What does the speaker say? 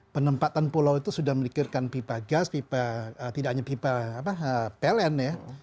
penempatan pulau itu sudah memikirkan pipa gas pipa tidak hanya pipa pln ya